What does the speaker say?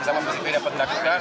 bersama pesipi dapat dilakukan